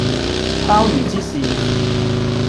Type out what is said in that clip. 鮑魚之肆